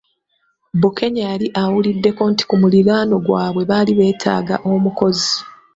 Bukenya yali awuliddeko nti ku muliraano gwabwe baali beetaaga omukozi.